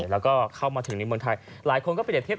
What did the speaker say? แล้วก็เข้ามาถึงนิวเมืองไทยหลายคนก็ไปเดินที่